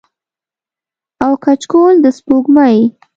او کچکول د سپوږمۍ